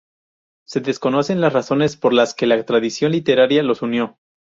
Se desconocen las razones por las que la tradición literaria los unió.